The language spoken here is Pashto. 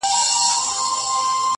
سل ځله یې زموږ پر کچکولونو زهر وشیندل!.